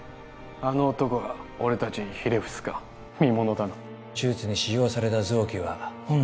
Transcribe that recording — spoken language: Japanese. あの男が俺たちにひれ伏すか見ものだな・手術に使用された臓器は本来